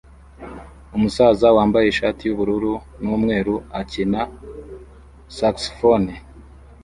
Umusaza wambaye ishati yubururu numweru akina saxofone